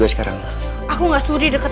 luar sini sekarang aku enggak sudi dekat